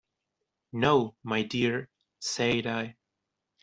"No, my dear," said I.